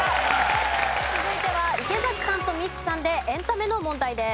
続いては池さんとミッツさんでエンタメの問題です。